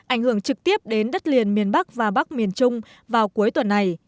ảnh hưởng trực tiếp đến đất liền miền bắc và bắc miền trung vào cuối tuần này